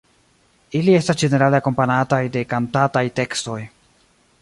Ili estas ĝenerale akompanataj de kantataj tekstoj.